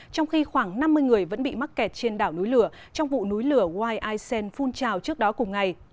trong khi khoảng năm mươi người vẫn bị mắc kẹt trên đảo núi lửa trong vụ núi lửa wisen phun trào trước đó cùng ngày